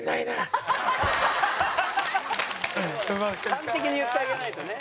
端的に言ってあげないとね。